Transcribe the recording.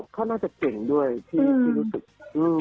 เขาน่าจะเก่งด้วยที่รู้สึก